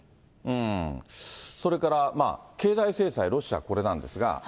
それから経済制裁、ロシア、これなんですが。